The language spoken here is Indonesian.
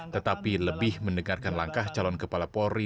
tetapi lebih mendengarkan langkah calon kepala polri